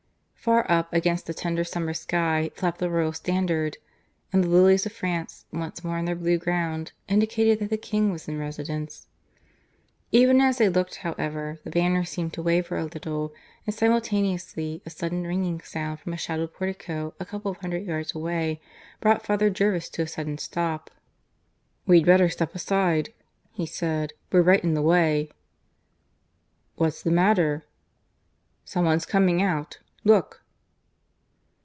Far up, against the tender summer sky, flapped the Royal Standard; and the lilies of France, once more on their blue ground, indicated that the King was in residence. Even as they looked, however, the banner seemed to waver a little; and simultaneously a sudden ringing sound from a shadowed portico a couple of hundred yards away brought Father Jervis to a sudden stop. "We'd better step aside," he said. "We're right in the way." "What's the matter?" "Some one's coming out. ... Look."